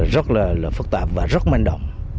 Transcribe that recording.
rất là phức tạp và rất manh động